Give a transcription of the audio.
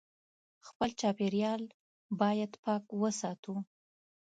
خپل چاپېریال باید پاک وساتو